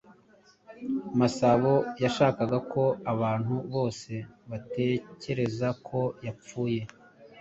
Masabo yashakaga ko abantu bose batekereza ko yapfuye.